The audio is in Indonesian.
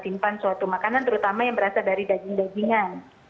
jadi itu bisa dikonsumsi di waktu makanan terutama yang berasal dari daging dagingan